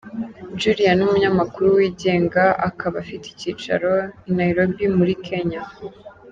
Julia ni umunyamakuru wigenga akaba afite icyicaro i Nairobi muri Kenya.